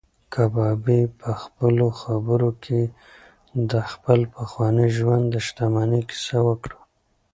کبابي په خپلو خبرو کې د خپل پخواني ژوند د شتمنۍ کیسه وکړه.